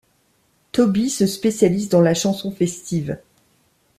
Tobee se spécialise dans la chanson festive.